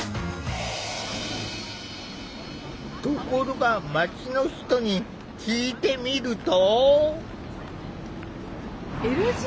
ところが街の人に聞いてみると。